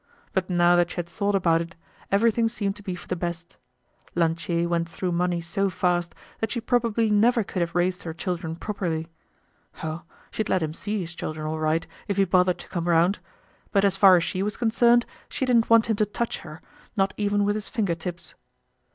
But now that she had thought about it, everything seemed to be for the best. Lantier went through money so fast, that she probably never could have raised her children properly. Oh, she'd let him see his children, all right, if he bothered to come round. But as far as she was concerned, she didn't want him to touch her, not even with his finger tips.